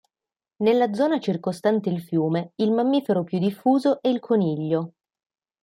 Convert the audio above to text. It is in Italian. Nella zona circostante il fiume il mammifero più diffuso è il coniglio.